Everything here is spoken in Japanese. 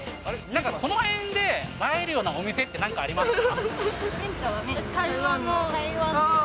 なんかこの辺で、映えるようなお店って、なんかありますか？